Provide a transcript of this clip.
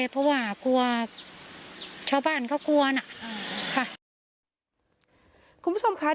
เพราะว่ากลัวชาวบ้านเขากลัวน่ะค่ะคุณผู้ชมค่ะ